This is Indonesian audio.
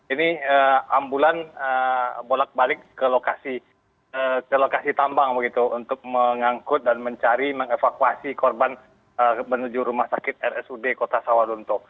ini ambulan bolak balik ke lokasi tambang begitu untuk mengangkut dan mencari mengevakuasi korban menuju rumah sakit rsud kota sawadonto